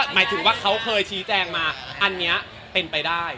หมายถึงว่าเขาเคยชี้แจงมาอันนี้เป็นไปได้